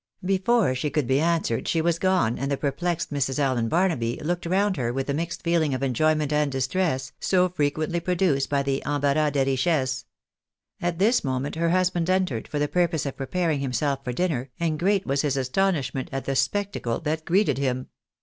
Before she could be answered she was gone, and the perplexed Mrs. Allen Barnaby looked around her with the mixed feeling of UNDOUBTED MARK OF RESPECTABILITY, enjoyment and distress, so frequently produced by the embarras des yicliesses. At this moment her husband entered, for the purpose of preparing himself for dinner, and great was his astonishment at the spectacle that greeted him.